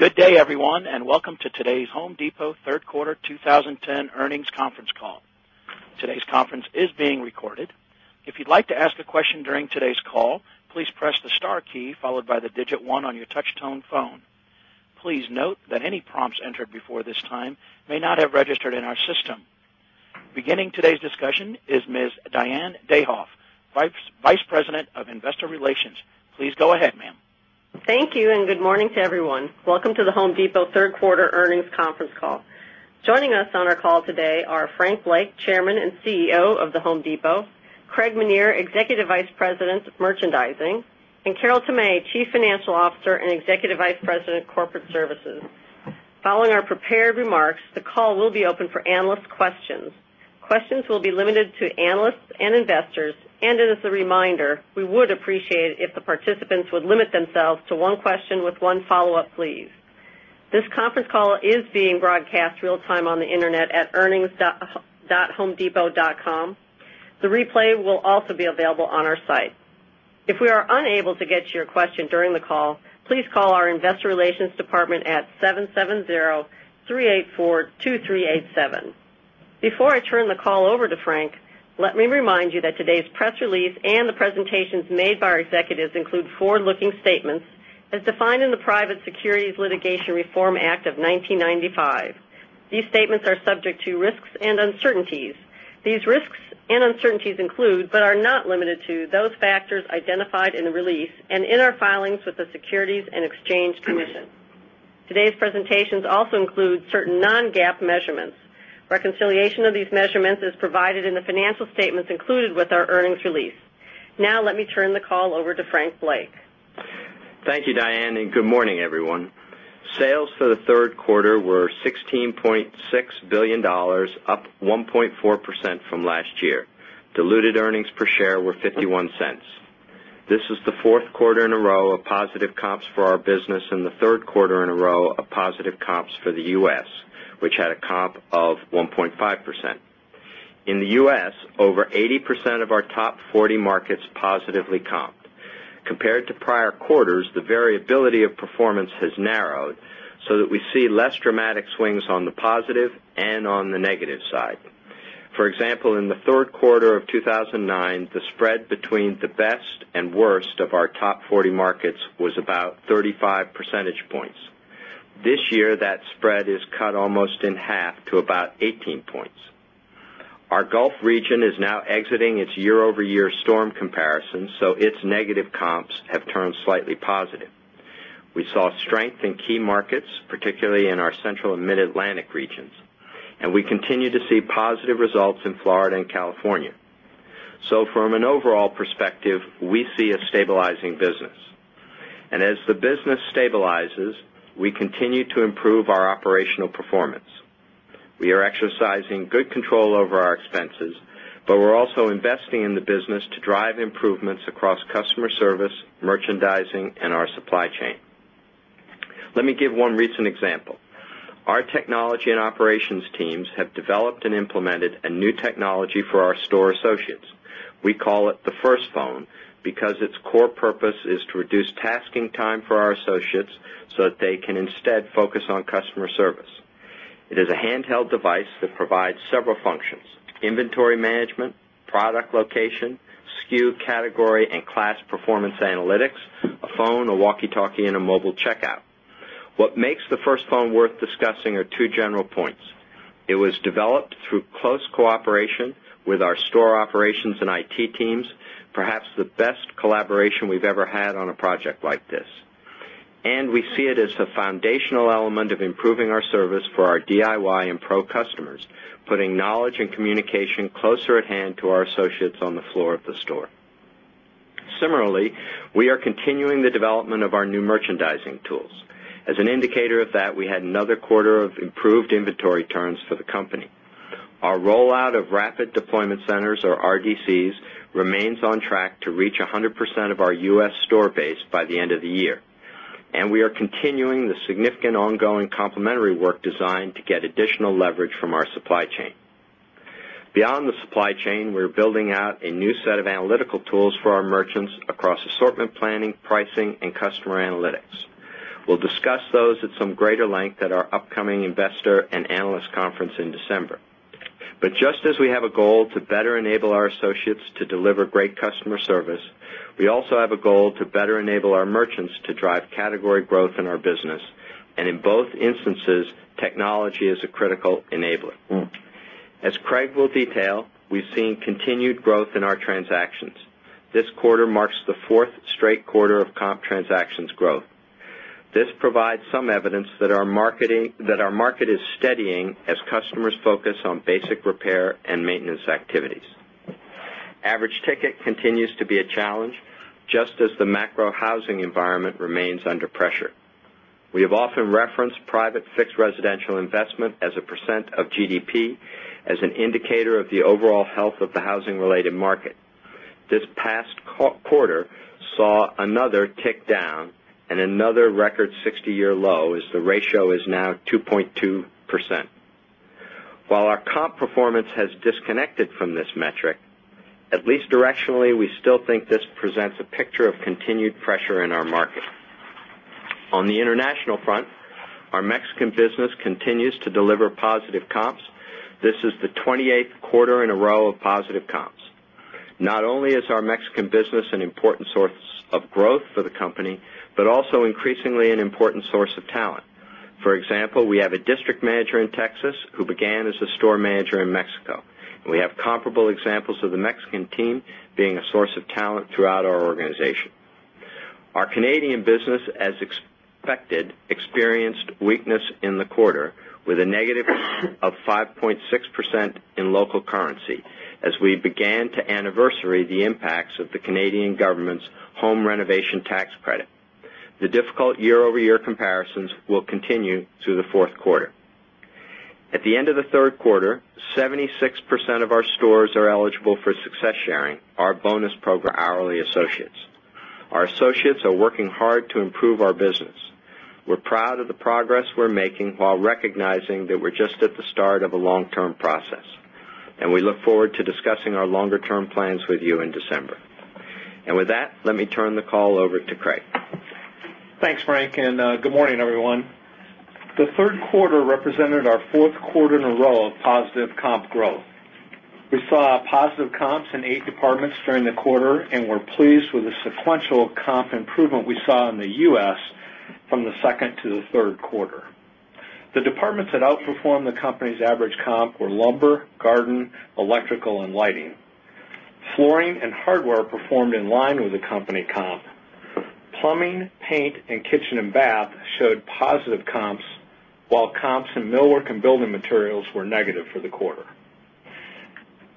Good day, everyone, and welcome to today's Home Depot Third Quarter 2010 Earnings Conference Call. Today's conference is being recorded. Please note that any prompts entered before this time may not have registered in our system. Beginning today's discussion is Ms. Diane Dayhoff, Vice President of Investor Relations. Please go ahead, ma'am. Thank you, and good morning to everyone. Welcome to The Home Depot 3rd quarter earnings conference call. Joining us on our call today are Frank Blake, Chairman and CEO of The Home Depot Craig Meniere, Executive Vice President, Merchandising And Carol Tamay, Chief Financial Officer and Executive Vice President, Corporate Services. Following our prepared remarks, the call will be open for analyst questions. This conference call is being broadcast real time on the Internet at earnings. Homedepot.com. The replay will also be available on our site. If we are unable to get to your question during the call, please call our Investor Relations department at 770-384-2387. Before I turn the call over to Frank, let me remind you that today's press release and the presentations made by our executives include forward looking statements As defined in the Private Securities Litigation Reform Act of 1995, these statements are subject to risks and uncertainties. These risks and uncertainties include, but are not limited to, those factors identified in the release and in our filings with the Securities and Exchange Commission. Today's presentations also include certain non GAAP measurements. Reconciliation of these measurements is provided in the financial statements included with our earnings release. Now let me turn the call over to Frank Blake. Thank you, Diane, and good morning, everyone. Sales for the Q3 were 16.6 $1,000,000,000 up 1.4 percent from last year. Diluted earnings per share were $0.51 This is the 4th quarter in a row of positive comps for our business and the 3rd quarter in a row of positive comps for the U. S, which had a comp of 1.5%. In the U. S, over 80% of our top 40 markets positively comped. Compared to prior quarters, the variability of performance has narrowed so that we see less dramatic swings on the positive and on the negative side. For example, in the Q3 of 2009, the spread between the best And worst of our top 40 markets was about 35 percentage points. This year, that spread is cut almost in half to about 18 points. Our Gulf region is now exiting its year over year storm comparison, so its negative comps have turned slightly positive. We saw strength in key markets, particularly in our Central and Mid Atlantic regions, and we continue to see positive results in Florida and California. So from an overall perspective, we see a stabilizing business. And as the business stabilizes, We continue to improve our operational performance. We are exercising good control over our expenses, But we're also investing in the business to drive improvements across customer service, merchandising and our supply chain. Let me give one recent example. Our technology and operations teams have developed and implemented a new technology for our store associates. We call it the first phone because its core purpose is to reduce tasking time for our associates so that they can instead focus on customer service. It is a handheld device that provides several functions: inventory management, product location, SKU category and class performance analytics, A phone, a walkie talkie and a mobile checkout. What makes the first phone worth discussing are 2 general points. It was developed through close cooperation With our store operations and IT teams, perhaps the best collaboration we've ever had on a project like this. And we see it as the foundational element of improving our service for our DIY and pro customers, putting knowledge and communication closer at hand to our associates Similarly, we are continuing the development of our new merchandising tools. As an indicator of that, we had another quarter of improved Our rollout of rapid deployment centers or RDCs remains on track to reach 100% of our U. S. Store base by the end of the year. And we are continuing the significant ongoing complementary work designed to get additional leverage from our supply chain. Beyond the supply chain, we are building out a new set of analytical tools for our merchants across assortment planning, pricing and customer analytics. We'll discuss those at some greater length at our upcoming investor and analyst conference in December. But just as we have a goal to better enable our associates To deliver great customer service, we also have a goal to better enable our merchants to drive category growth in our business. And in both instances, technology is a critical enabler. As Craig will detail, we've seen continued growth in our transactions. This quarter marks the 4th straight quarter of comp transactions growth. This provides some evidence that our market is steadying as customers focus on basic repair and maintenance activities. Average ticket continues to be a challenge Just as the macro housing environment remains under pressure, we have often referenced private fixed residential investment as a percent of GDP As an indicator of the overall health of the housing related market, this past quarter saw another tick down And another record 60 year low as the ratio is now 2.2%. While our comp performance has disconnected from this metric, At least directionally, we still think this presents a picture of continued pressure in our market. On the international front, Our Mexican business continues to deliver positive comps. This is the 28th quarter in a row of positive comps. Not only is our Mexican business an important source of growth for the company, but also increasingly an important source of talent. For example, we have a district manager in Texas who began as a store manager in Mexico. We have comparable examples of the Mexican team being a source of talent throughout our organization. Our Canadian business, as expected, experienced weakness in the quarter With a negative of 5.6 percent in local currency as we began to anniversary the impacts of the Canadian government's Home Renovation Tax Credit. The difficult year over year comparisons will continue through the 4th quarter. At the end of the Q3, 76% of our stores are eligible for success sharing, our bonus program hourly associates. Our associates are working hard to improve our business. We're proud of the progress we're making while recognizing that we're just at the start of a long term process, And we look forward to discussing our longer term plans with you in December. And with that, let me turn the call over to Craig. Thanks, Frank, and good morning, everyone. The 3rd quarter represented our 4th quarter in a row of positive comp growth. We saw positive comps in 8 departments during the quarter and we're pleased with the sequential comp improvement we saw in the U. S. From the second to the third quarter. The departments that outperformed the company's average comp were lumber, garden, electrical and lighting. Flooring and hardware performed in line with the company comp. Plumbing, Paint and Kitchen and Bath showed positive comps, while comps in millwork and building materials were negative for the quarter.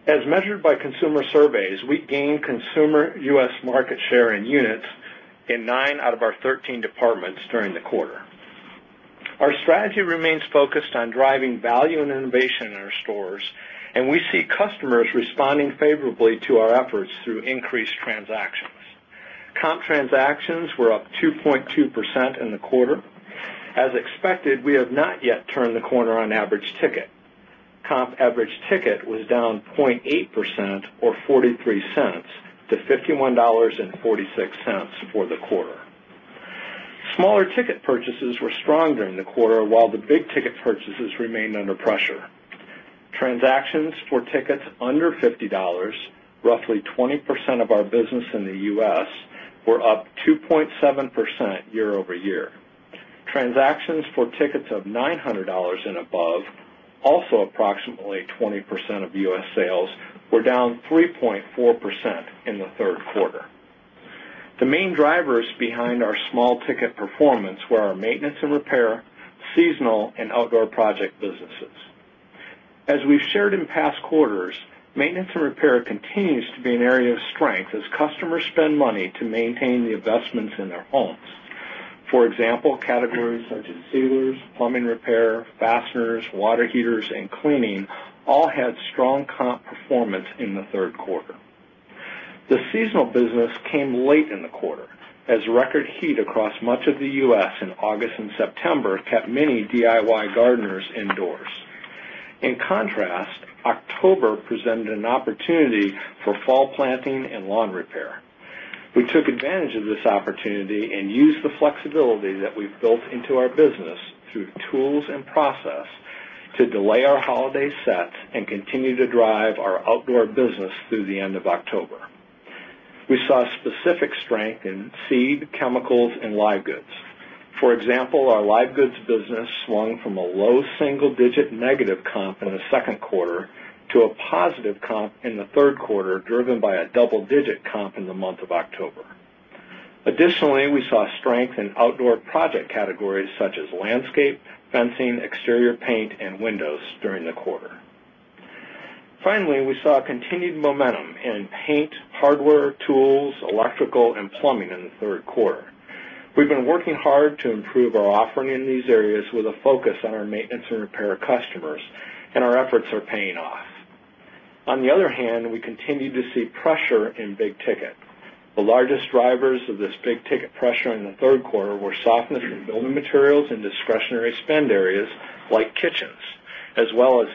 As measured by consumer surveys, we gained consumer U. S. Market share in units in 9 out of our 13 departments during the quarter. Our strategy remains focused on driving value and innovation in our stores And we see customers responding favorably to our efforts through increased transactions. Comp transactions were up 2.2% in the quarter. As expected, we have not yet turned the corner on average ticket. Comp average ticket was down 0.8% or $0.43 to $51.46 for the quarter. Smaller ticket purchases were strong during the quarter, while the big ticket purchases remained under pressure. Transactions for tickets under $50 roughly 20% of our business in the U. S, were up 2.7% year over year. Transactions for tickets of $900 and above, Also approximately 20% of U. S. Sales were down 3.4% in the 3rd quarter. The main drivers behind our small ticket performance were our maintenance and repair, seasonal and outdoor project businesses. As we've shared in past quarters, maintenance and repair continues to be an area of strength as customers spend money to maintain the investments in their homes. For example, categories such as sealers, plumbing repair, fasteners, water heaters and cleaning all had strong comp performance in the Q3. The seasonal business came late in the quarter as record heat across much of the U. S. In August September kept many DIY gardeners indoors. In contrast, October presented an opportunity for fall planting and lawn repair. We took advantage of this opportunity and used the flexibility that we've built into our business through tools and process to delay our holiday sets and continue to drive our outdoor business through the end of October. We saw specific strength in seed, Chemicals and Live Goods. For example, our Live Goods business swung from a low single digit negative comp in the second quarter to a positive comp in the 3rd quarter driven by a double digit comp in the month of October. Additionally, we saw Finally, we saw continued momentum in paint, hardware, tools, electrical and plumbing in the 3rd quarter. We've been working hard to improve our offering in these areas with a focus on our maintenance and repair customers and our efforts are paying off. On the other hand, we continue to see pressure in big ticket. The largest drivers of this big ticket pressure in the Q3 were softness in building materials and We continue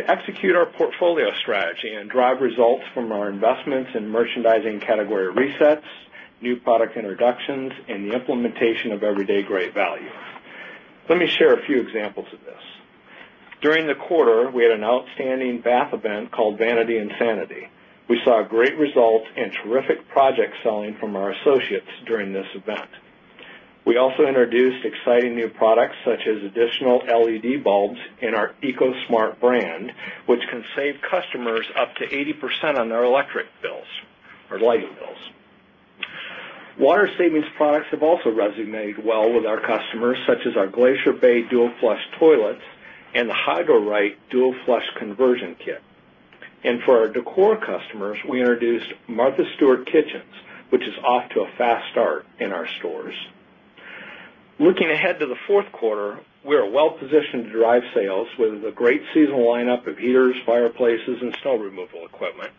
to execute our portfolio strategy and drive results from our investments in merchandising category resets, new product introductions and the implementation of Everyday Great Value. Let me share a few examples of this. During the quarter, we had an outstanding bath event called Vanity Insanity. We saw great results and terrific project selling from our associates during this event. We also introduced exciting new products such as additional LED bulbs in our EcoSmart brand, which can save customers up to 80% on their electric bills or lighting bills. Water savings products have also resonated well with We introduced Martha Stewart Kitchens, which is off to a fast start in our stores. Looking ahead to the 4th quarter, We are well positioned to drive sales with a great seasonal lineup of heaters, fireplaces and snow removal equipment.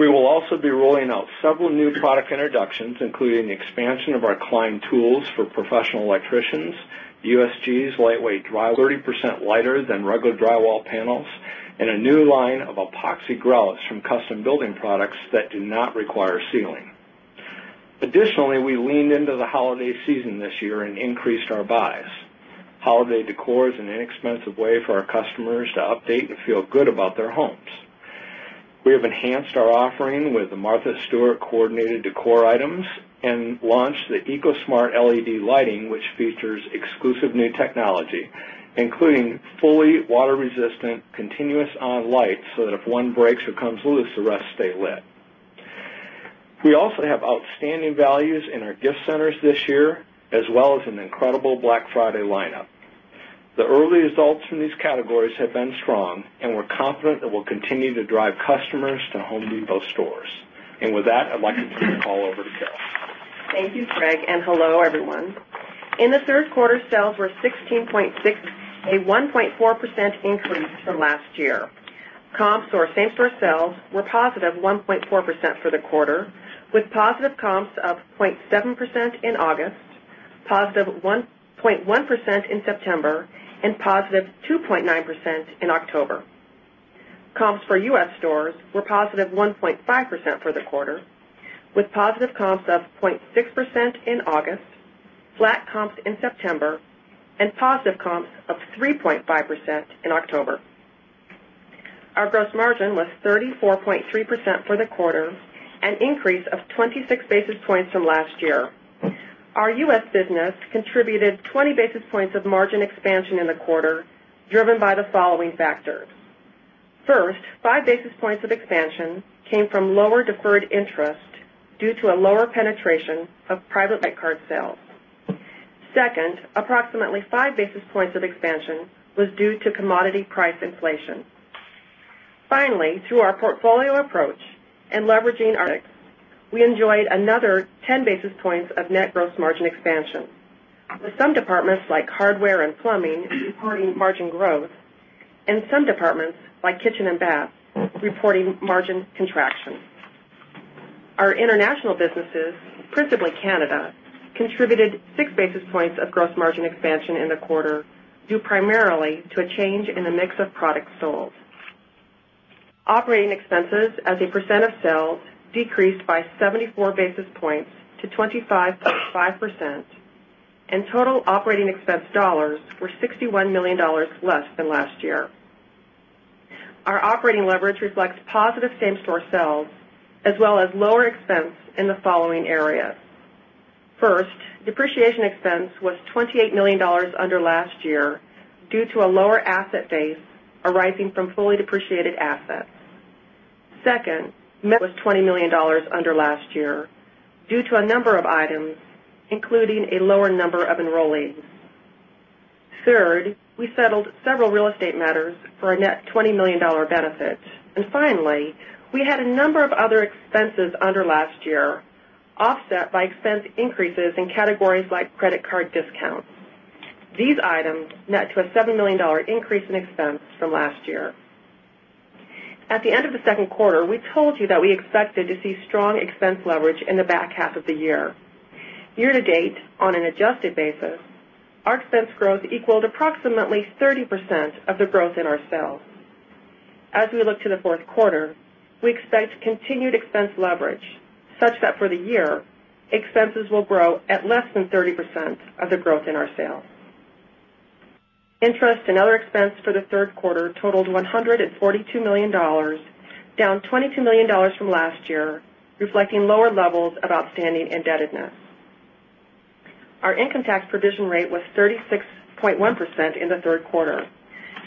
We will also be rolling out several new product introductions, including the expansion of our Klein tools for professional electricians, USG's lightweight drywall panels are 30 percent lighter than regular drywall panels and a new line of epoxy grouts from custom building products that do not require sealing. Additionally, we leaned into the holiday season this year and increased our buys. Holiday decor is an inexpensive way for our customers to We have enhanced our offering with Martha Stewart coordinated decor items And launched the EcoSmart LED lighting, which features exclusive new technology, including fully water resistant, We also have outstanding values in our gift centers this year as well as an incredible Black Friday lineup. The early results from these categories have been strong, and we're confident that we'll And with that, I'd like to turn the call over to Carol. Thank you, Craig, and hello, everyone. In the 3rd quarter, sales were 16.6%, a 1.4% increase from last year. Comps to our same store sales We're positive 1.4 percent for the quarter with positive comps of 0.7% in August, positive 1.1% in September and positive 2.9% in October. Comps for U. S. Stores were positive 1.5% for the quarter With positive comps of 0.6% in August, flat comps in September and positive comps of 3.5% in October. Our gross margin was 34.3 percent for the quarter, an increase of 26 basis points from last year. Our U. S. Business contributed 20 basis points of margin expansion in the quarter driven by the following factors. First, 5 basis points of expansion came from lower deferred interest due to a lower penetration of private bank card sales. 2nd, approximately 5 basis points of expansion was due to commodity price inflation. Finally, through our portfolio approach and leveraging our products, we enjoyed another 10 basis points of net gross margin expansion With some departments like hardware and plumbing reporting margin growth and some departments like kitchen and bath reporting margin contraction. Our international businesses, principally Canada, contributed 6 basis points of gross margin expansion in the quarter, due primarily to a change in the mix of products sold. Operating expenses as a percent of sales decreased by 74 basis points to 25.5 percent and total operating expense dollars were $61,000,000 less than last year. Our operating leverage reflects positive same store sales as well as lower expense in the following areas. First, depreciation expense was $28,000,000 under last year due to a lower asset base arising from fully depreciated assets. 2nd, net debt was $20,000,000 under last year due to a number of items, including a lower number of enrollees. 3rd, we settled several real estate matters for a net $20,000,000 benefit. And finally, we had a number of other expenses under last year, offset by expense increases in categories like credit card discounts. These items net to a $7,000,000 increase in expense from last year. At the end of the second quarter, we told you that we expected to see strong expense leverage in the back half of the year. Year to date, on an adjusted basis, Our expense growth equaled approximately 30% of the growth in our sales. As we look to the 4th quarter, We expect continued expense leverage such that for the year expenses will grow at less than 30% of the growth in our sales. Interest and other expense for the Q3 totaled $142,000,000 down $22,000,000 from last year, reflecting lower levels of outstanding indebtedness. Our income tax provision rate was 36.1% in the 3rd quarter.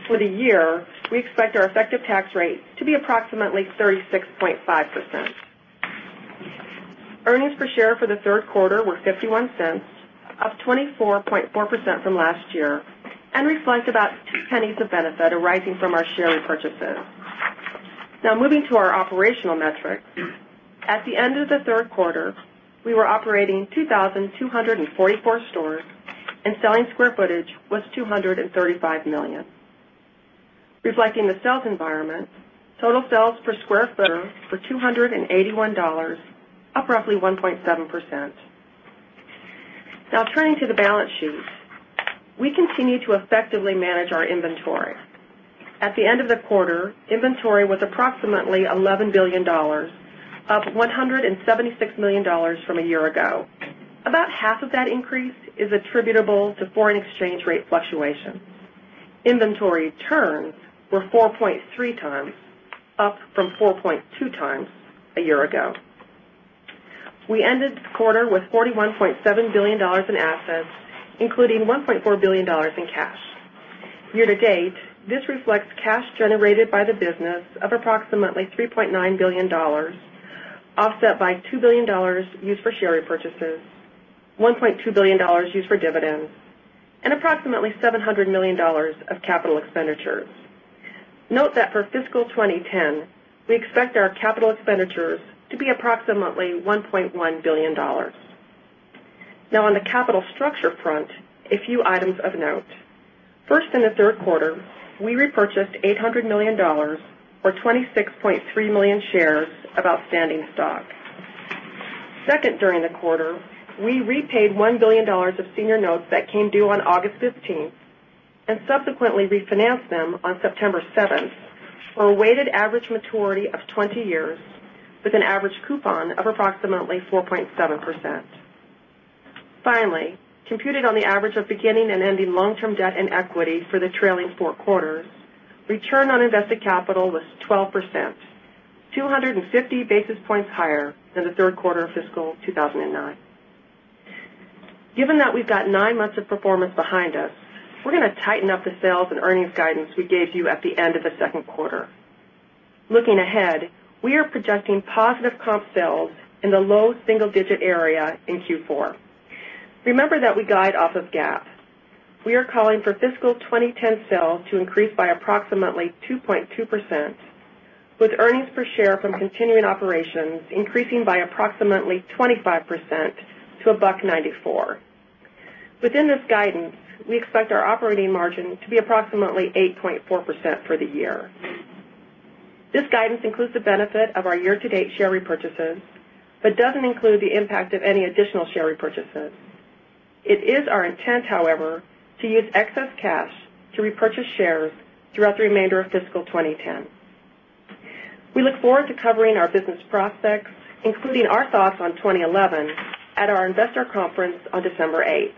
For the year, we expect our effective tax rate to be approximately 36.5%. Earnings per share for the Q3 were $0.51 up 24.4 percent from last year and reflect about We were operating 2,244 stores and selling square footage was 235,000,000 Reflecting the sales environment, total sales per square foot were $2.81 up roughly 1.7%. Now turning to the balance sheet. We continue to effectively manage our inventory. At the end of the quarter, Inventory was approximately $11,000,000,000 up $176,000,000 from a year ago. About half of that increase is attributable to foreign exchange rate fluctuations. Inventory turns were 4.3 times, up from 4.2x a year ago. We ended the quarter with $41,700,000,000 in assets, including $1,400,000,000 in cash. Year to date, this reflects cash generated by the business of approximately $3,900,000,000 offset by $2,000,000,000 used for share repurchases, dollars 1,200,000,000 used for dividends and approximately $700,000,000 of capital expenditures. Note that for fiscal 2010, we expect our capital expenditures to be approximately $1,100,000,000 Now on the capital structure front, a few items of note. First, in the 3rd quarter, we repurchased $800,000,000 for 26,300,000 shares of outstanding stock. 2nd, during the quarter, we repaid $1,000,000,000 Senior notes that came due on August 15 and subsequently refinanced them on September 7 for a weighted average maturity of 20 years with an average coupon of approximately 4.7%. Finally, computing on the average of beginning and ending long term debt and For the trailing 4 quarters, return on invested capital was 12%, 2.50 basis points higher than the Q3 of fiscal 2,009. Given that we've got 9 months of performance behind us, we're going to tighten up the sales and earnings guidance we gave you at the end of the second quarter. Looking ahead, we are projecting positive comp sales in the low single digit area in Q4. Remember that we guide off of GAAP. We are calling for fiscal 2010 sales to increase by approximately 2.2% with earnings per share from continuing operations increasing by approximately 25 percent to $1.94 Within this guidance, we expect our operating margin to be approximately 8.4 for the year. This guidance includes the benefit of our year to date share repurchases, but doesn't include the impact of any additional share repurchases. It is our intent, however, to use excess cash to repurchase shares throughout the remainder of fiscal 2010. We look forward to covering our business prospects, including our thoughts on 2011 at our Investor Conference on December 8.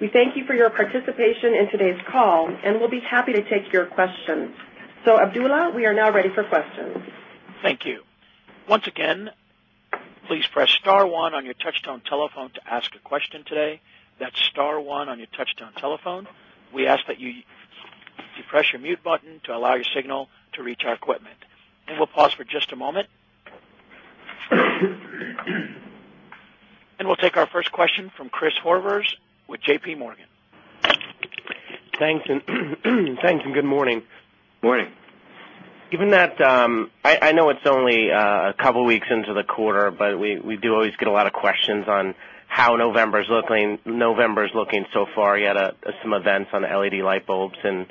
We thank you for your participation in today's call and we'll be happy to take your questions. So, Abdullah, we are now ready for questions. Thank you. And we'll take our first question from Chris Horvers with JPMorgan. Thanks and good morning. Good morning. Given that, I know it's only a couple of weeks into the quarter, but we do always get a lot of questions on How November is looking so far, you had some events on LED light bulbs and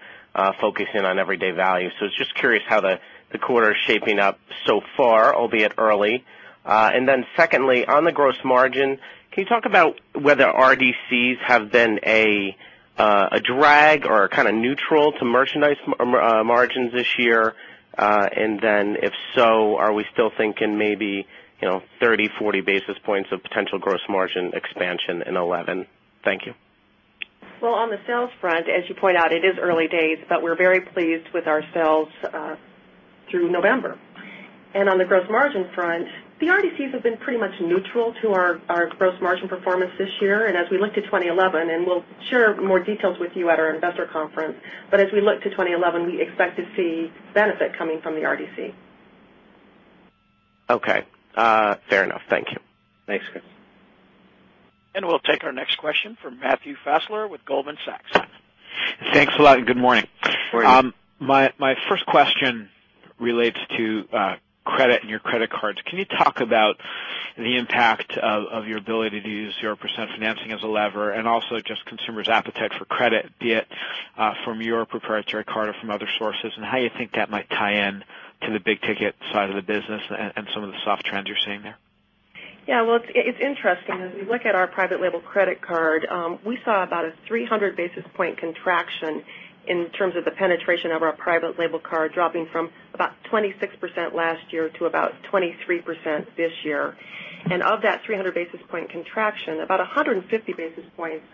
focusing on everyday value. So I was just curious how The quarter is shaping up so far, albeit early. And then secondly, on the gross margin, can you talk about whether RDCs have been A drag or kind of neutral to merchandise margins this year? And then if so, are we still thinking maybe 30, 40 basis points of potential gross margin expansion in 2011? Thank you. Well, on the sales front, as you pointed out, it is early days, but we're very pleased Our gross margin performance this year and as we look to 2011 and we'll share more details with you at our investor conference, but as we look to 2011, we expect to see Benefit coming from the RDC. Okay. Fair enough. Thank you. Thanks, Chris. And we'll take our next question from Matthew Fassler with Goldman Sachs. Thanks a lot and good morning. Good morning. My first question relates to credit and your credit cards. Can you talk about the impact of your ability to use 0% financing as a lever and also just consumers' appetite Credit be it from your proprietary card or from other sources and how you think that might tie in to the big ticket side of the business and some of the soft trends you're seeing there? Yes. Well, it's interesting. As we look at our private label credit card, we saw about a 300 basis point contraction In terms of the penetration of our private label card dropping from about 26% last year to about 23% this year. And of that 300 basis point contraction, about 150 basis points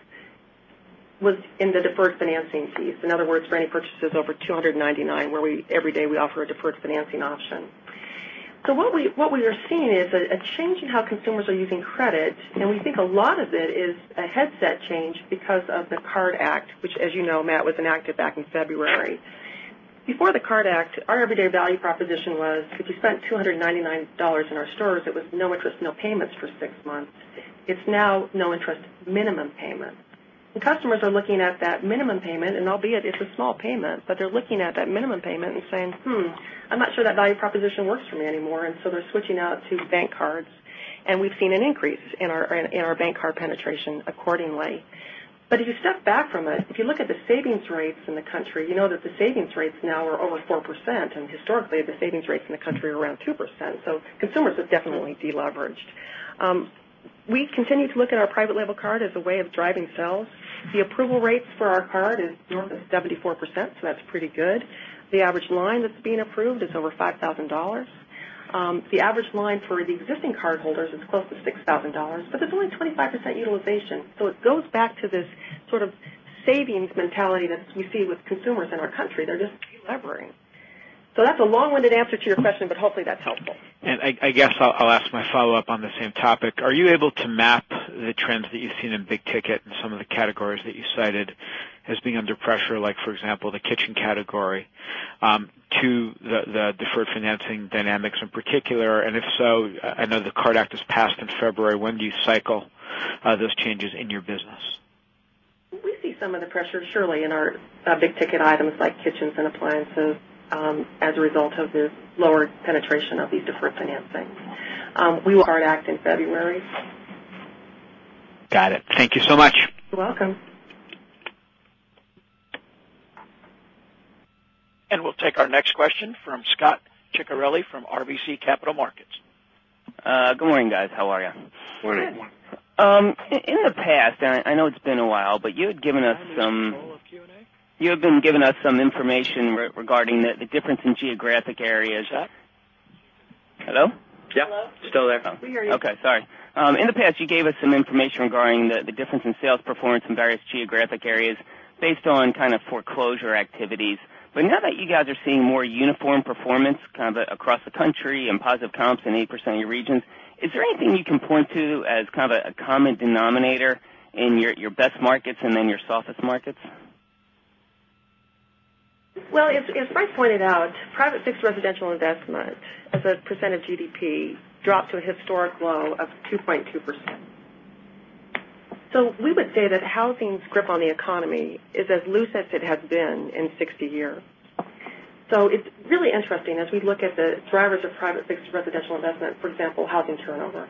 was in the deferred financing fees. In other words, This is over 299 where we every day we offer a deferred financing option. So what we are seeing is a change in how consumers are using credit And we think a lot of it is a headset change because of the Card Act, which as you know, Matt was inactive back in February. Before the Card Act, our everyday value proposition was if you spent $2.99 in our stores, it was no interest, no payments for 6 months. It's now no interest minimum payment. The customers are looking at that minimum payment and albeit it's a small payment, but they're looking at that minimum payment and saying, I'm not sure that value proposition works for me anymore, and so they're switching out to bank cards, and we've seen an increase in our bank card penetration accordingly. But if you step back from it, if you look at the savings rates in the country, you know that the savings rates now are over 4%. And historically, the savings rates in the country are around 2%. So We continue to look at our private label card as a way of driving sales. The approval rates for our card is north of 74%, so The average line that's been approved is over $5,000 The average line for the existing cardholders is close $6,000 but there's only 25 percent utilization. So it goes back to this sort of savings mentality that we see with consumers in our country. They're just delevering. So that's a long winded answer to your question, but hopefully that's helpful. And I guess I'll ask my follow-up on the same topic. Are you able to map The trends that you've seen in big ticket and some of the categories that you cited has been under pressure like, for example, the kitchen category To the deferred financing dynamics in particular? And if so, I know the card act is passed in February. When do you cycle those changes in your business? We see some of the pressure surely in our big ticket items like kitchens and appliances, as a result of the lower penetration of these deferred financing. We will hard act in February. Got it. Thank you so much. You're welcome. And we'll take our next question from Scot Ciccarelli from RBC Capital Markets. Good morning, guys. How are you? Good morning. In the past, I know it's been a while, but you had given us some J. Rice:] You have been giving us some information regarding the difference in geographic areas. Hello? Yes. Hello. Still there, Tom. We hear you. Okay. Sorry. In the past, you gave us some information regarding the difference in sales performance in various geographic areas based on kind of foreclosure activities. But now that you guys are seeing more uniform performance kind of across the country and positive comps in 8% of your regions, is there anything you can point to as kind of a common denominator in your best markets and then your softest markets? Well, as Frank pointed out, private fixed residential investment As a percent of GDP dropped to a historic low of 2.2%. So we would say that housing's grip on the economy It's as loose as it has been in 60 years. So it's really interesting as we look at the drivers of private fixed residential investment, for example, housing turnover.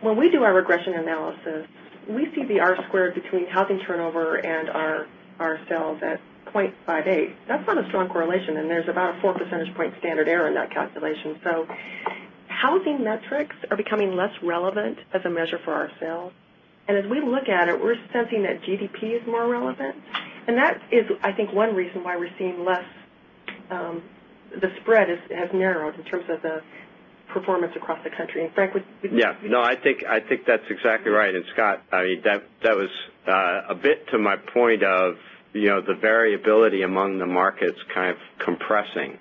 When we do our regression analysis, we see the R squared between housing turnover and our sales at 0.58, that's not a strong correlation and there's about a 4 percentage point standard error in that calculation. So housing metrics are becoming less relevant as a measure for our And as we look at it, we're sensing that GDP is more relevant. And that is, I think, one reason why we're seeing less The spread has narrowed in terms of the performance across the country. And Frank would Yes. No, I think that's exactly right. And Scott, I mean, that was A bit to my point of the variability among the markets kind of compressing,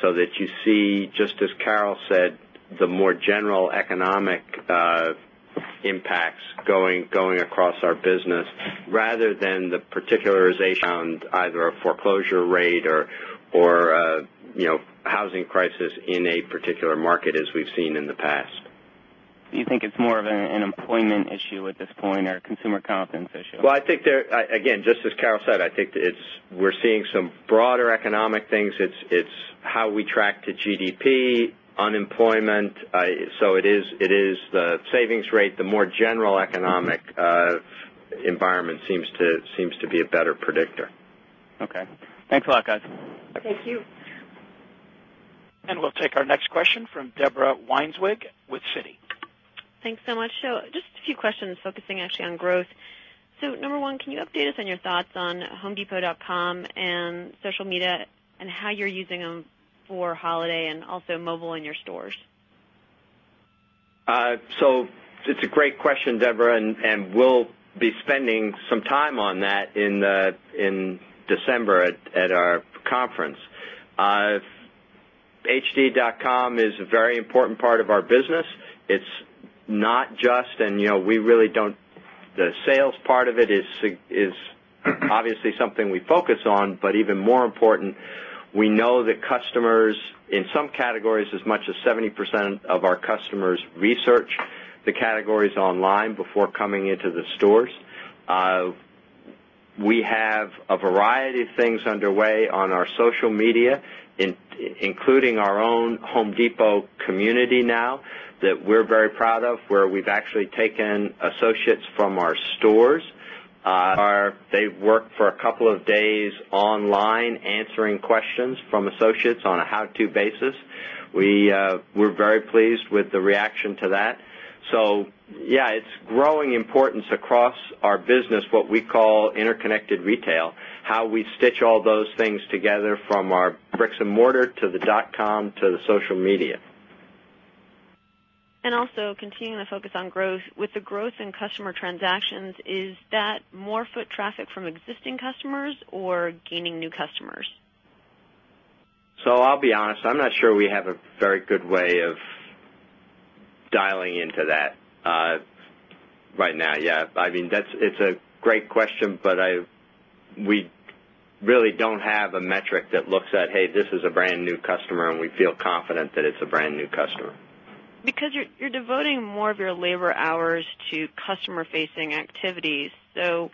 so that you see just as Carol said, The more general economic impacts going across our business rather than the We found either a foreclosure rate or housing crisis in a particular market as we've seen in the past. Do you think it's more of an employment issue at this point or a consumer confidence issue? Well, I think there again, just as Carol said, I think it's We're seeing some broader economic things. It's how we track to GDP, unemployment. So it is The savings rate, the more general economic environment seems to be a better predictor. Okay. Thanks a lot guys. Thank you. And we'll take our next question from Deborah Weinswig with Citi. Thanks so much. So just a few questions focusing actually on growth. So number 1, can you update us on your thoughts on homedepot.com and social media and how you're using them for holiday and also mobile in your stores? So it's a great question, Deborah, and we'll be spending some time on that in December at our conference. Hd.com is a very important part of our business. It's Not just and we really don't the sales part of it is obviously something we focus on, but even more important, We know that customers in some categories as much as 70% of our customers research the categories online before coming into the stores. We have a variety of things underway on our social media, including our own Home Depot community now That we're very proud of where we've actually taken associates from our stores. They've worked for a couple of days online answering Questions from associates on a how to basis. We're very pleased with the reaction to that. So Yes, it's growing importance across our business, what we call interconnected retail, how we stitch all those things together from our Bricks and mortar to the dotcom to the social media. And also continuing to focus on growth, with the growth in customer transactions, is that More foot traffic from existing customers or gaining new customers? So I'll be honest, I'm not sure we have a very good way of Dialing into that, right now, yes, I mean, that's it's a great question, but I we Really don't have a metric that looks at, hey, this is a brand new customer and we feel confident that it's a brand new customer. Because you're devoting more of your labor hours To customer facing activities. So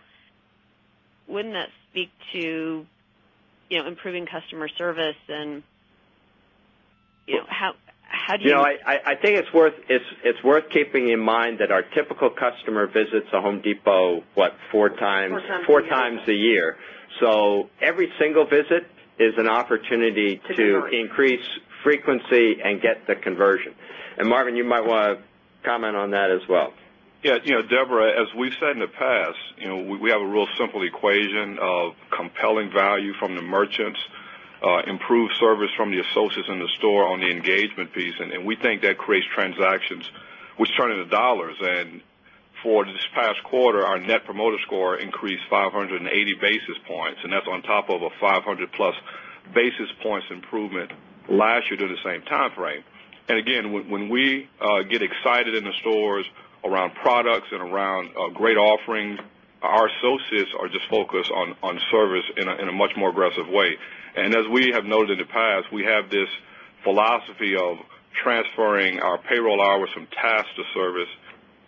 wouldn't that speak to improving customer service and I think it's worth keeping in mind that our typical customer visits The Home Depot, What, 4 times a year. So every single visit is an opportunity to increase Frequency and get the conversion. And Marvin, you might want to comment on that as well. Yes. Deborah, as we've said in the past, We have a real simple equation of compelling value from the merchants, improved service from the associates in the store on the engagement piece and we think that creates Transactions, which turn into dollars and for this past quarter, our net promoter score increased 580 basis points and that's on top of a 500 plus Basis points improvement last year to the same timeframe. And again, when we get excited in the stores Around products and around great offerings, our associates are just focused on service in a much more aggressive way. And as we have noted in the past, we have this Philosophy of transferring our payroll hours from task to service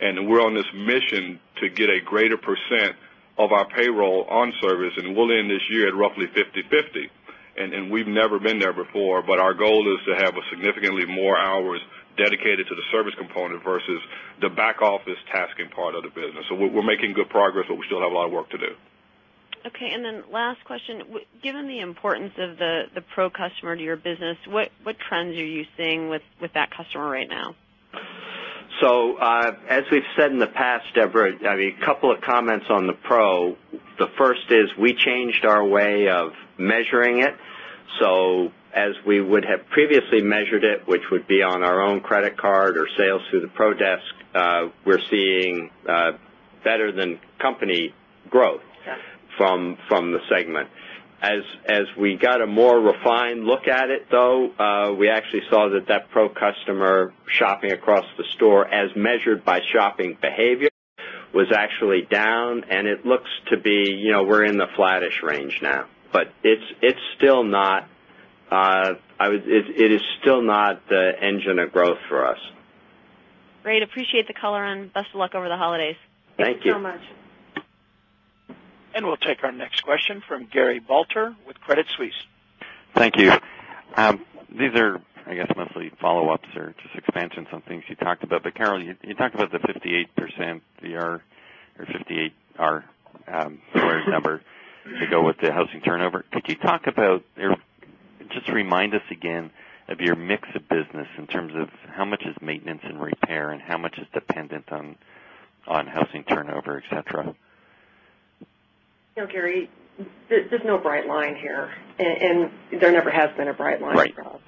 and we're on this mission to get a greater percent Of our payroll on service and we'll end this year at roughly fifty-fifty and we've never been there before, but our goal is to have a significantly more hours Dedicated to the service component versus the back office tasking part of the business. So we're making good progress, but we still have a lot of work to do. Okay. And then last question, given the importance of the pro customer to your business, what trends are you seeing with that customer right now? So as we've said in the past, Deborah, I mean, a couple of comments on the Pro. The first is we changed our way of measuring it. So as we would have previously measured it, which would be on our own credit card or sales through the ProDesk, We're seeing better than company growth from the segment. As we got a more Fine. Look at it though, we actually saw that that pro customer shopping across the store as measured by shopping behavior It was actually down and it looks to be we're in the flattish range now. But it's still not It is still not the engine of growth for us. Great. Appreciate the color and best of luck over the holidays. Thank you. Thank you so much. And we'll take our next question from Gary Balter with Credit Suisse. Thank you. These are, I guess mostly follow ups or just expansion on things you talked about. But Carol, you talked about the 58% VR or 58R number To go with the housing turnover, could you talk about just remind us again of your mix of business in terms of How much is maintenance and repair and how much is dependent on housing turnover, etcetera? Gary, there's no bright line here and there never has been a bright line, Rob,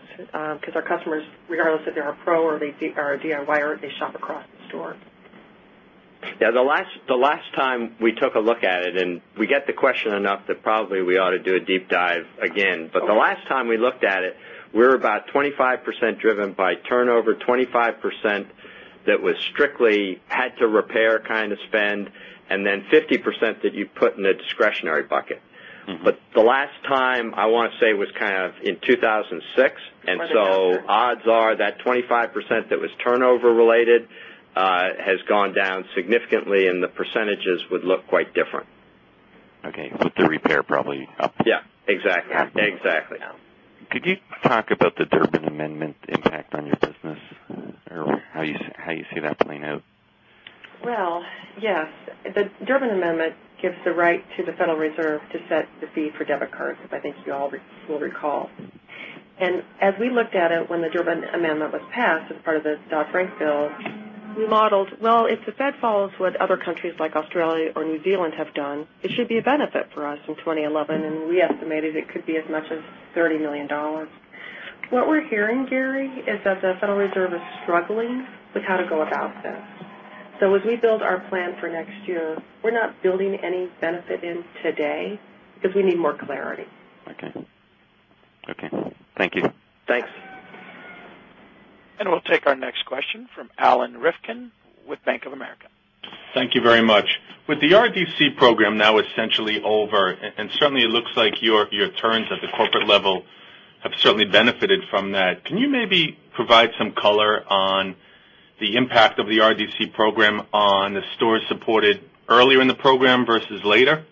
because our customers, Regardless if they are pro or DIY or they shop across the store? Yes. The last time we took a look at it and we get the question Sure enough that probably we ought to do a deep dive again. But the last time we looked at it, we're about 25% driven by turnover, 25% That was strictly had to repair kind of spend and then 50% that you put in the discretionary bucket. But The last time I want to say was kind of in 2006. And so odds are that 25% that was turnover related Has gone down significantly and the percentages would look quite different. Okay. With the repair probably up. Yes, Exactly. Could you talk about the Durbin Amendment impact on your business or how you see that playing out? Well, yes, the Durbin Amendment gives the right to the Federal Reserve to set the fee for debit cards, as I think you all will recall. And as we looked at it when the Durbin Amendment was passed as part of the Dodd Frank bill, we modeled, well, if the Fed follows what other countries like Australia or New Zealand It should be a benefit for us in 2011, and we estimated it could be as much as $30,000,000 What we're hearing, Gary, is that the Federal Reserve is struggling We've got to go about that. So as we build our plan for next year, we're not building any benefit in today because we need more clarity. Okay. Thank you. Thanks. And we'll take our next question from Alan Rifkin with Bank of America. Thank you very much. With the RDC program now essentially over and certainly it looks like your turns at the corporate level I've certainly benefited from that. Can you maybe provide some color on the impact of the RDC program on the stores supported Earlier in the program versus later?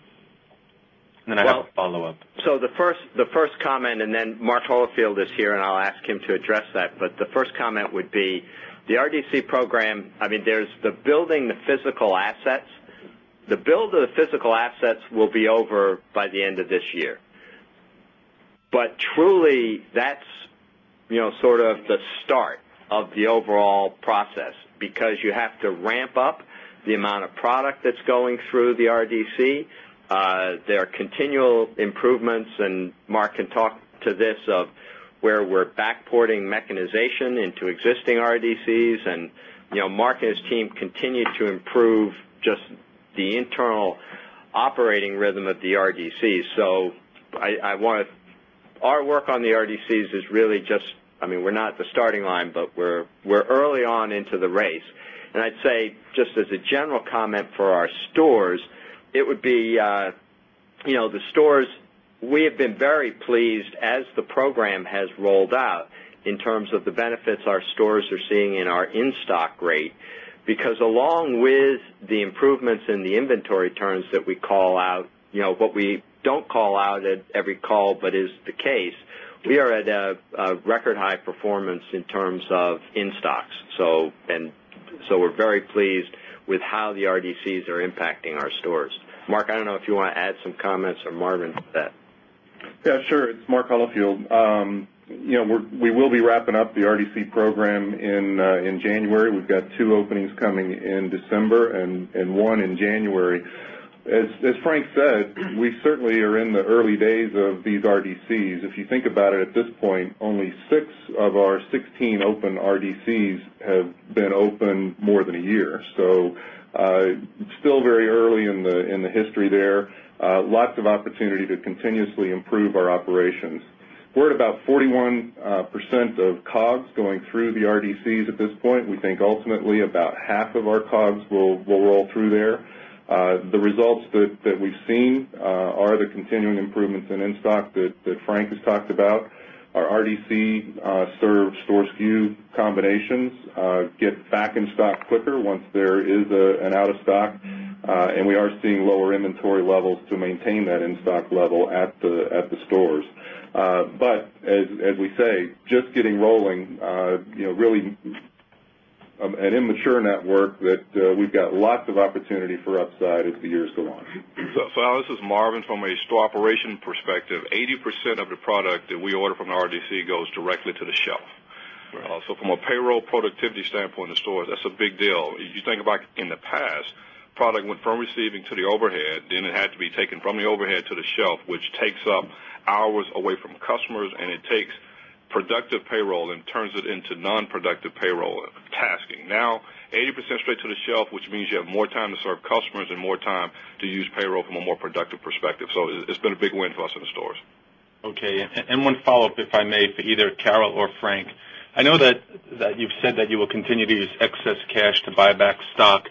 And then I have a follow-up. So the first comment and then Mark Holofield is here and I'll Kim to address that, but the first comment would be the RDC program, I mean there's the building the physical assets. The build of the physical assets will be over by the end of this year. But truly, that's Sort of the start of the overall process because you have to ramp up the amount of product that's going through the RDC. There are continual improvements and Mark can talk to this of where we're back porting mechanization into existing RDCs and Mark and his team continued to improve just the internal operating rhythm of the RDCs. So I want Our work on the RDCs is really just I mean, we're not at the starting line, but we're early on into the race. And I'd say Just as a general comment for our stores, it would be the stores we have been very pleased as the program has rolled out In terms of the benefits our stores are seeing in our in stock rate, because along with the improvements in the inventory turns that we call out, What we don't call out at every call, but is the case, we are at a record high performance in terms of in stocks. So we're very pleased with how the RDCs are impacting our stores. Mark, I don't know if you want to add some comments or Marvin to that. Yes, sure. It's Mark Holofield. We will be wrapping up the RDC program in January. We've got 2 openings coming in December and 1 in January. As Frank said, we certainly are in the early days of these RDCs. If you think about it at this point, only 6 of our 16 open RDCs have been open more than a year. So It's still very early in the history there. Lots of opportunity to continuously improve our operations. We're at about 41% of COGS going through the RDCs at this point. We think ultimately about half of our COGS will roll through there. The results that we've seen are the continuing improvements in in stock that Frank has talked about. Our RDC served store SKU Combinations get back in stock quicker once there is an out of stock and we are seeing lower inventory levels to maintain that in stock level at But as we say, just getting rolling, really an immature network that we've got lots of So, Al, this is Marvin. From a store operation perspective, 80% of the product that we order from RGC goes directly to the shelf. So from a payroll productivity standpoint in the stores, that's a big deal. If you think about in the past, product went from receiving to the overhead, then it had to be taken from the overhead to the shelf, which Now 80% straight to the shelf, which means you have more time to serve customers and more time to use payroll from a more productive perspective. So it's been a big win for us in the stores. Okay. And one follow-up, if I may, for either Carol or Frank. I know that you've said that you will continue to use excess cash to buy back stock.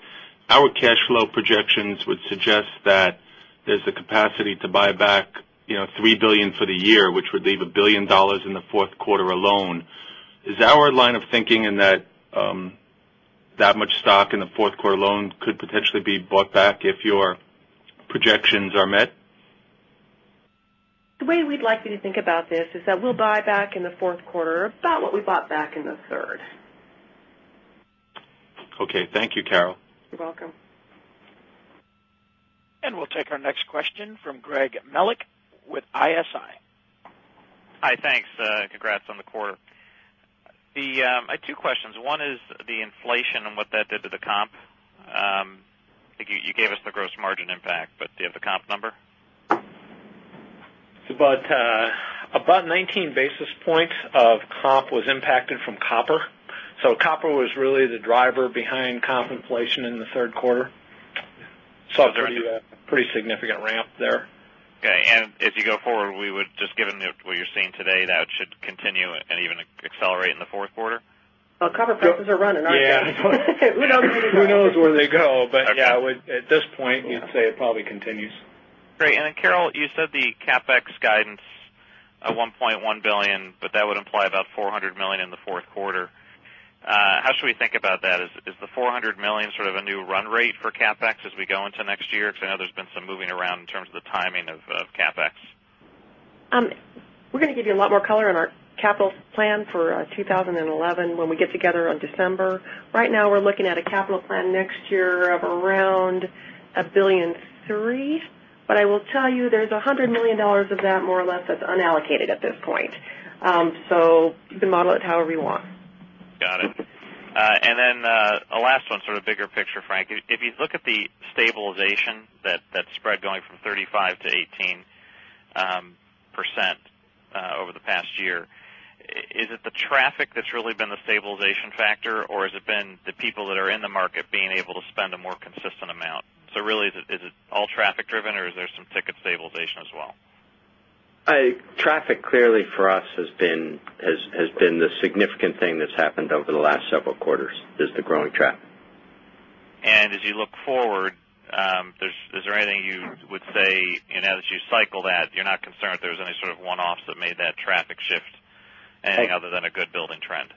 Our cash flow projections would suggest that there's a capacity to buy back $3,000,000,000 for the year, which would leave $1,000,000,000 in the 4th quarter alone. Is our line of thinking in that, that much stock in the 4th quarter loan could potentially be bought back if your Projections are met. The way we'd like you to think about this is that we'll buy back in the 4th quarter about what we bought back in the 3rd. Okay. Thank you, Carol. You're welcome. And we'll take our next question from Greg Melich with ISI. Hi, thanks. Congrats on the quarter. The I have two questions. One is the inflation and what that did to the comp. You gave us the gross margin impact, but do you have the comp number? About 19 basis points Comp was impacted from copper. So copper was really the driver behind comp inflation in the 3rd quarter. Saw a pretty significant ramp there. Okay. And as you go forward, we would just given what you're seeing today, that should Continue and even accelerate in the Q4? Cover prices are running, aren't they? Yes. Who knows where they go? But yes, at this point, you'd say it probably continues. Great. And then Carol, you said the CapEx guidance of $1,100,000,000 but that would imply about $400,000,000 in the 4th quarter. How should we think about that? Is the $400,000,000 sort of a new run rate for CapEx as we go into next year? Because I know there's been some moving around in terms of the timing of CapEx. We're going to give you a lot more color on our capital plan for 2011 when we get together on December. Right now, we're looking at a capital plan next year of around $1,300,000,000 But I will tell you there's $100,000,000 of that more or less that's unallocated at Point. So you can model it however you want. Got it. And then a last one sort of bigger picture, Frank. If you look at the stabilization That spread going from 35% to 18% over the past year. Is it the traffic that's really been Stabilization factor or has it been the people that are in the market being able to spend a more consistent amount? So really, is it all traffic driven or is there some ticket stabilization as well? Traffic clearly for us has been the significant thing that's happened over the last several quarters is the growing traffic. And as you look forward, is there anything you would say as you cycle that, you're not concerned if there's any sort of one offs that made that traffic shift Anything other than a good building trend?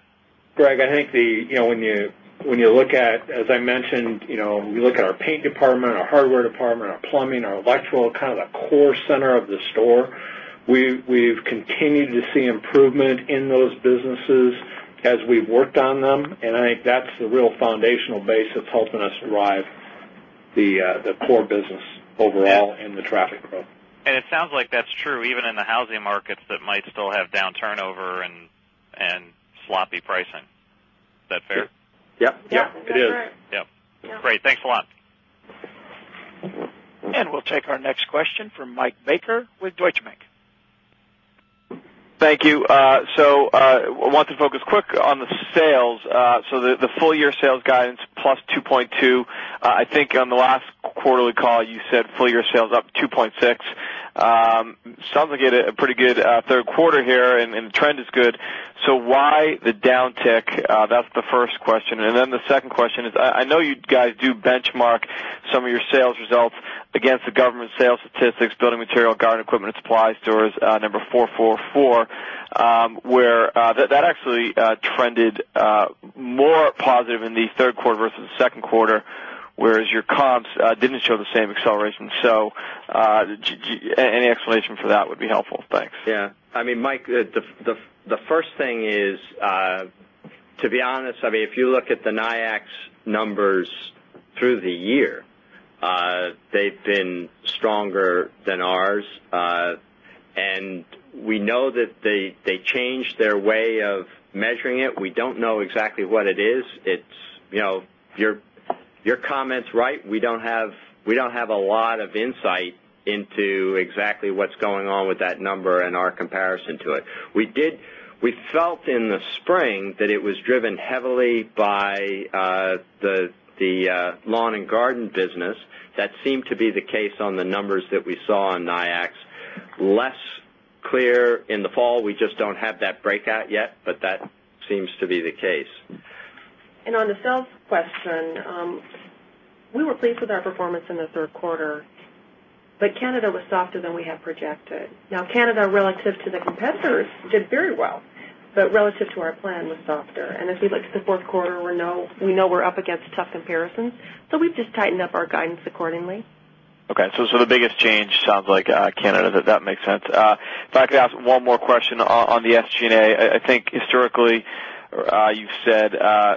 Greg, I think the when you look at as I mentioned, we look at our paint department, our hardware department, Plumbing or Electrical kind of the core center of the store. We've continued to see improvement in those businesses As we've worked on them and I think that's the real foundational base that's helping us to drive the core business Overall, in the traffic growth. And it sounds like that's true even in the housing markets that might still have down turnover and sloppy pricing. Is that fair? Yes. Yes. Yes. Great. Thanks a lot. And we'll take our next question from Mike Baker with Deutsche Bank. Thank you. So I want to focus quick on the sales. So the full year sales guidance plus 2.2. I think on the last quarterly call, you said full year sales up 2.6%. Sounds like you had a pretty good Q3 here and the trend is good. So why the downtick? That's the first question. And then the second question is, I know you guys do benchmark some of your sales results Against the government sales statistics, building material, garden equipment and supply stores, number 444, where that actually more positive in the Q3 versus the Q2, whereas your comps didn't show the same acceleration. So Any explanation for that would be helpful. Thanks. Yes. I mean, Mike, the first thing is, to be honest, I mean, if you look at the NIAX Numbers through the year, they've been stronger than ours. And we know that they changed their way of measuring it. We don't know exactly what it is. It's Your comment is right. We don't have a lot of insight into exactly what's Going on with that number and our comparison to it. We did we felt in the spring that it was driven heavily by The lawn and garden business, that seemed to be the case on the numbers that we saw in NIAX. Less Clear, in the fall, we just don't have that breakout yet, but that seems to be the case. And on the sales question, We were pleased with our performance in the Q3, but Canada was softer than we have projected. Now Canada relative to the competitors did very well, But relative to our plan was softer. And as we look to the 4th quarter, we know we're up against tough comparisons. So we've just tightened up our guidance accordingly. Okay. So the biggest change sounds like Canada, does that make sense? If I could ask one more question on the SG and A. I think historically, You said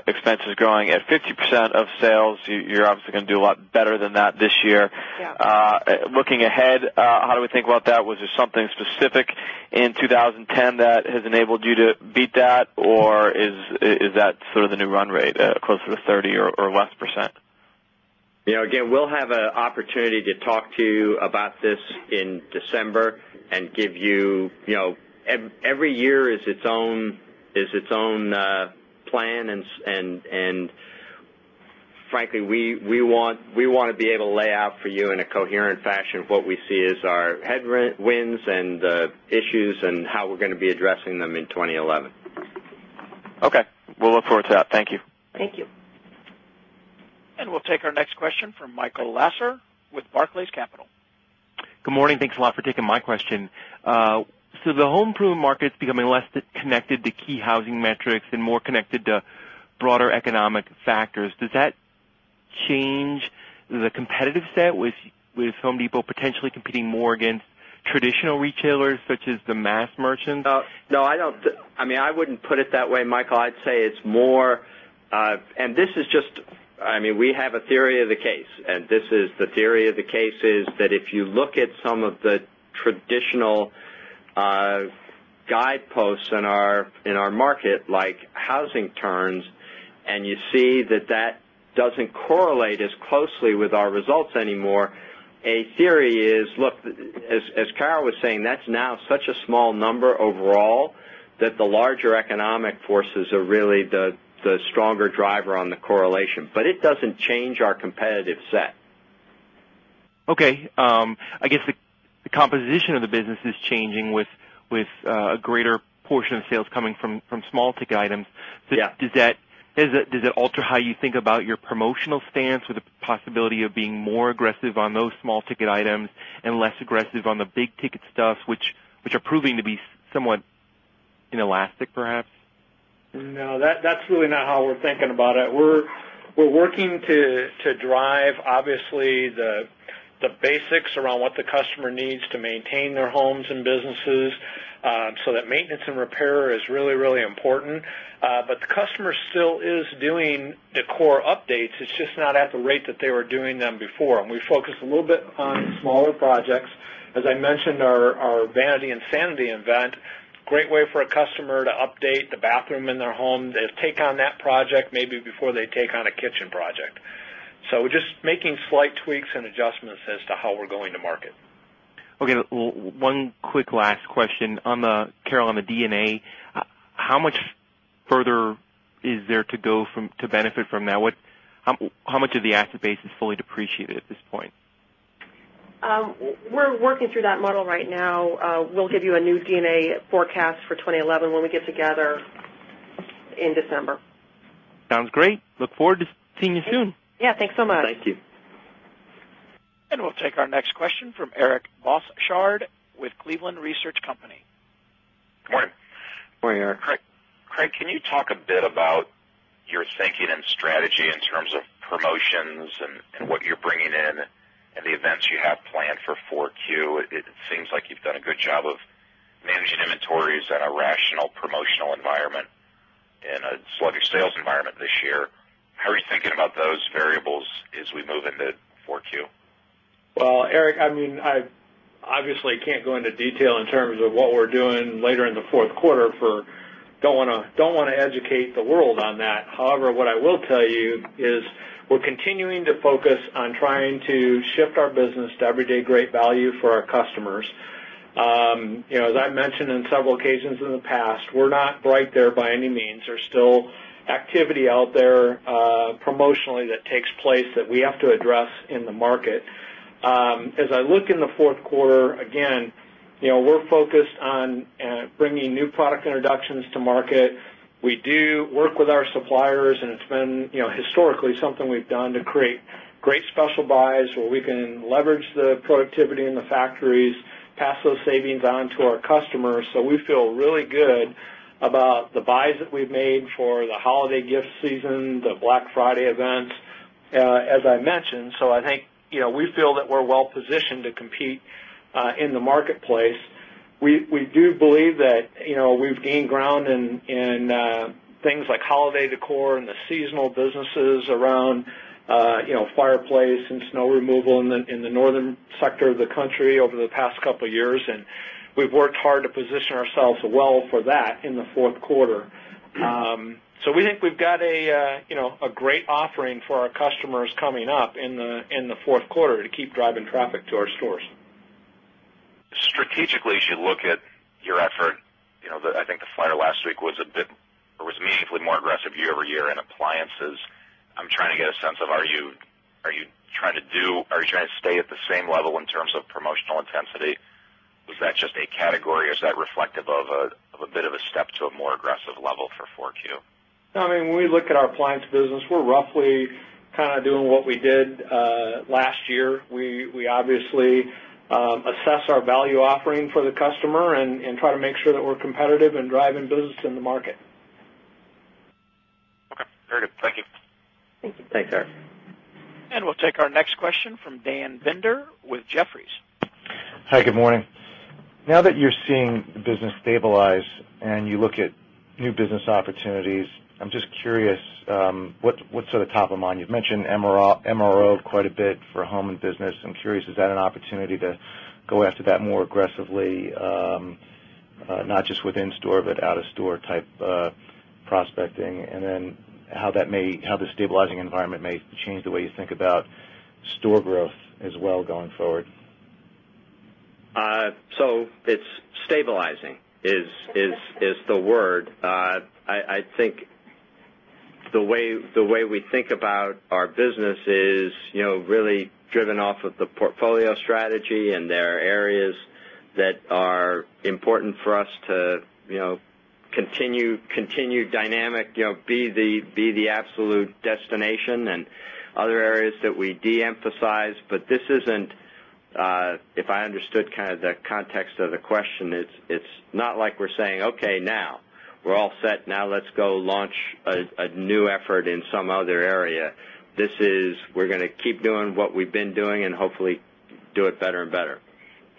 expenses growing at 50% of sales. You're obviously going to do a lot better than that this year. Looking ahead, how do we think about that? Was there something specific in 2010 that has enabled you to beat that? Or is that So the new run rate, close to 30% or less? Again, we'll have an opportunity to talk to you about this in December And give you every year is its own plan. And Frankly, we want to be able to lay out for you in a coherent fashion what we see as our headwinds and Issues and how we're going to be addressing them in 2011. Okay. We'll look forward to that. Thank you. Thank you. And we'll take our next question from Michael Lasser with Barclays Capital. Good morning. Thanks a lot for taking my question. So the home improvement market is becoming less connected to key housing metrics and more connected to broader economic factors. Does that change The competitive set with Home Depot potentially competing more against traditional retailers such as the mass merchant? No, I don't I mean, I wouldn't put it that way, Michael. I'd say it's more, and this is just I mean, we have a theory of the case and this is The theory of the case is that if you look at some of the traditional guideposts in our market like Housing turns and you see that, that doesn't correlate as closely with our results anymore. A theory is, look, as Carol was saying, that's now such a small number overall that the larger economic forces are really The stronger driver on the correlation, but it doesn't change our competitive set. Okay. I guess The composition of the business is changing with a greater portion of sales coming from small ticket items. Does it alter how you think about your promotional stance with the possibility of being more aggressive on those small ticket items and less aggressive on the big ticket stuff, which which are proving to be somewhat inelastic perhaps? No, that's really not how we're thinking about it. We're working to drive The basics around what the customer needs to maintain their homes and businesses, so that maintenance and repair is really, really important. But the customer still is doing the core updates. It's just not at the rate that they were doing them before. And we focused a little bit on smaller projects. As I mentioned, our vanity and sanity event, great way for a customer to update the bathroom in their home. They have take on that project Okay. One quick last question on the Carol on the D and A, how much further is there to go from to benefit from that? How much of the asset base is fully depreciated at this point? We're working through that model right now. We'll give you a new D and A forecast 2011 when we get together in December. Sounds great. Look forward to seeing you soon. Yes. Thanks so much. Thank you. And we'll take our next question from Eric Bauschard with Cleveland Research Company. Good morning. Good morning, Eric. Craig, can you talk a bit about Your thinking and strategy in terms of promotions and what you're bringing in and the events you have planned for 4Q, it seems like you've done a good job of Managing inventories in a rational promotional environment and a sluggish sales environment this year, how are you thinking about those variables as we move into 4Q. Well, Eric, I mean, I obviously can't go into detail in terms of what we're doing later in the Q4 for Don't want to educate the world on that. However, what I will tell you is we're continuing to focus on trying to Our business to everyday great value for our customers. As I mentioned in several occasions in the past, we're not right there by any means. There's still Activity out there promotionally that takes place that we have to address in the market. As I look in the Q4, again, We're focused on bringing new product introductions to market. We do work with our suppliers and it's been historically something we've done to create Great special buys where we can leverage the productivity in the factories, pass those savings on to our customers. So we feel really good About the buys that we've made for the holiday gift season, the Black Friday events, as I mentioned, so I think We feel that we're well positioned to compete in the marketplace. We do believe that we've gained ground in Things like holiday decor and the seasonal businesses around fireplace and snow removal in the northern Sector of the country over the past couple of years and we've worked hard to position ourselves well for that in the Q4. So we think we've got a great offering for our customers coming up in the Q4 to keep driving traffic to our stores. Strategically, as you look at your effort, I think the flyer last week was a bit or was meaningfully more aggressive year over year in appliances. I'm trying to get a sense of are you trying to do are you trying to stay at the same level in terms of promotional intensity? Was that just a category or is that reflective A bit of a step to a more aggressive level for 4Q. No, I mean, when we look at our appliance business, we're roughly kind of doing what we did last Here, we obviously assess our value offering for the customer and try to make sure that we're competitive in driving business in the market. Okay, very good. Thank you. Thank you. Thanks, Eric. And we'll take our next question from Dan Binder with Jefferies. Hi, good morning. Now that you're seeing business stabilize and you look at new business opportunities, I'm just curious, What's sort of top of mind? You've mentioned MRO quite a bit for home and business. I'm curious, is that an opportunity to go after that more aggressively, Not just within store, but out of store type prospecting. And then how that may how the stabilizing environment may change the way you think about Store growth as well going forward. So it's stabilizing is the word. I think the way we think about our business is really driven off of the portfolio strategy and there are areas That are important for us to continue dynamic, be the absolute destination and Other areas that we deemphasize, but this isn't, if I understood kind of the context of the question, it's not like we're saying, okay, now. We're all set. Now let's go launch a new effort in some other area. This is we're going to keep doing what we've been doing and hopefully Do it better and better.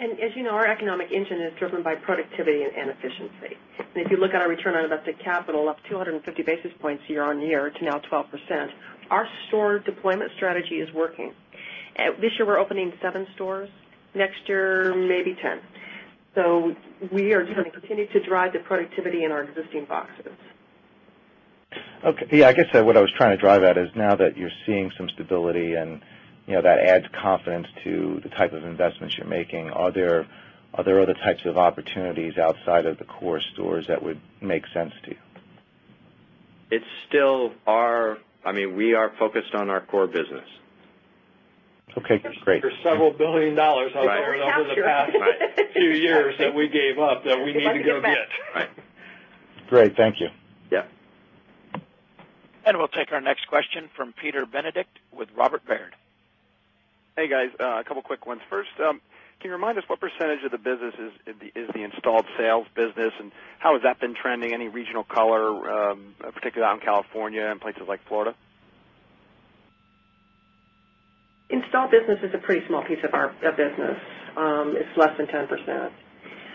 And as you know, our economic engine is driven by productivity and efficiency. And if you look at our return on invested capital, up 2 50 basis points year on year to now Our store deployment strategy is working. This year, we're opening 7 stores. Next year, maybe 10. So we are going to continue to drive the productivity in our existing boxes. Okay. Yes, I guess what I was trying to drive at is now that you're seeing some stability and That adds confidence to the type of investments you're making. Are there other types of opportunities outside of the core stores that would make sense to you? It's still our I mean, we are focused on our core business. Okay, great. There are Several $1,000,000,000 over the past few years that we gave up that we need to go get. Great. Thank you. Yes. And we'll take our next question from Peter Benedict with Robert Baird. Hey, guys. A couple of quick ones. First, can you remind us what percentage of the business is the installed sales business and how has that been trending? Any regional color, particularly on California and places like Florida? Installed business is a pretty small piece of our business. It's less than 10%.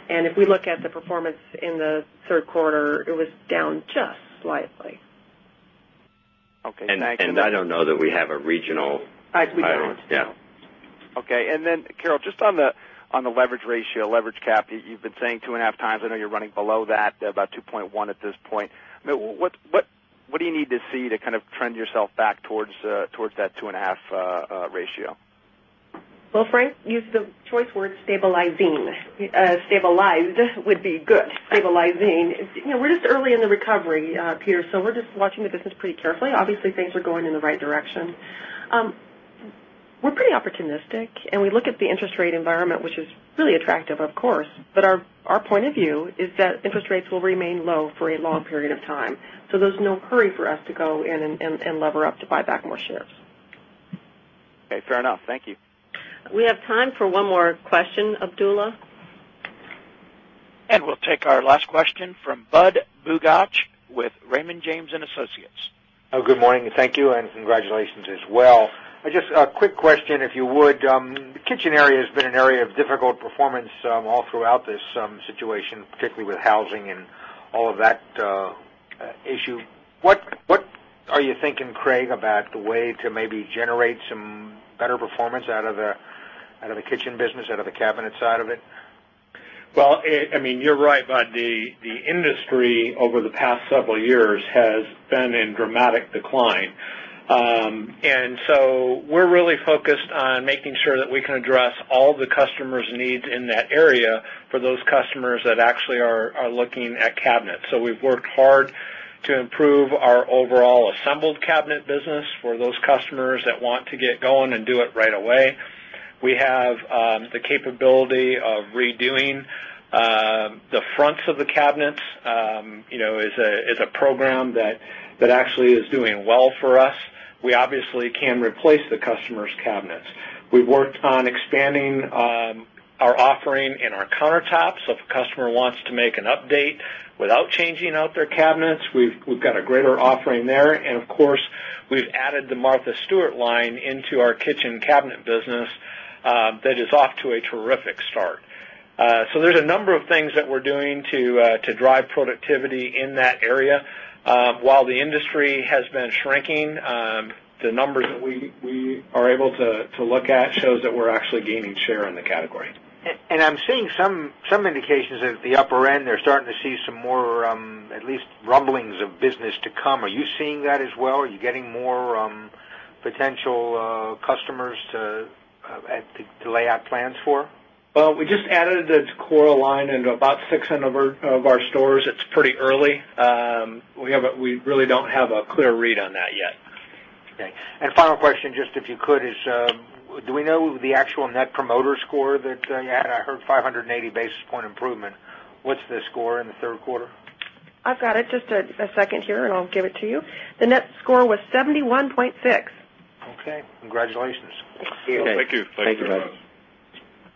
And if we look at the performance in the Q3, it was down just slightly. Okay. And I don't know that we have a regional Hi, sweetie. It's Jeff. Okay. And then Carol, just on the leverage ratio, leverage cap, you've been saying 2.5 times. I know you're running below that, about 2.1 at this point. What do you need to see to kind of trend yourself back towards that 2.5 ratio? Well, Frank used the choice word stabilizine. Stabilizine would be good, stabilizine. We're just early in the recovery, Peter. So we're just watching the business pretty Obviously, things are going in the right direction. We're pretty opportunistic, and we look at the interest rate environment, which is Really attractive, of course. But our point of view is that interest rates will remain low for a long period of time. So there's no hurry for us to go in and lever up to buy back more shares. Okay, fair enough. Thank you. We have time for one more question, Abdullah. And we'll take our last question from Budd Bugatch with Raymond James and Associates. Good morning and thank you and congratulations as well. Just a quick question, if you would. The kitchen area has been an area of difficult performance all throughout this situation, particularly with housing and All of that issue, what are you thinking, Craig, about the way to maybe generate some better performance out of Out of the kitchen business, out of the cabinet side of it? Well, I mean, you're right, Budd. The industry over the past several years has Been in dramatic decline. And so we're really focused on making sure that we can address all the customers' needs in that area for those customers that actually are looking at cabinets. So we've worked hard to improve our overall assembled cabinet business for those customers that want To get going and do it right away, we have the capability of redoing the fronts of the cabinets It's a program that actually is doing well for us. We obviously can replace the customers' cabinets. We've worked on expanding our offering in our countertops. If a customer wants to make an update without We've got a greater offering there. And of course, we've added the Martha Stewart line into our kitchen cabinet business That is off to a terrific start. So there's a number of things that we're doing to drive productivity in that area. While the industry has been shrinking, the numbers that we are able to look at shows that we're actually gaining share in the category. And I'm seeing some indications at the upper end, they're starting to see some more, at least rumblings of business to come. Are you seeing that as well? Are you getting more Potential customers to lay out plans for? Well, we just added the Coraline into about 6 of our stores. It's Pretty early. We really don't have a clear read on that yet. Okay. And final question, just if you could, is Do we know the actual net promoter score that you had? I heard 580 basis point improvement. What's the score in the 3rd quarter? I've got it. Just a second here, and I'll give it to you. The net score was 71.6. Okay. Congratulations. Thank you. Thank you,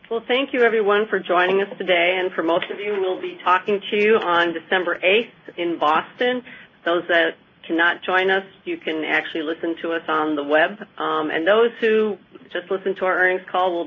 Well, thank you, everyone, for joining us today. And for most of you, we'll be talking to you on December 8 in Boston. Those that To not join us, you can actually listen to us on the web. And those who just listen to our earnings call